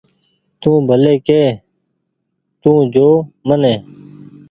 تو ڀلي ڪي تو جو مني